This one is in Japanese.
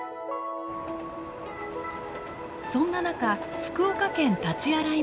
そんな中福岡県大刀洗町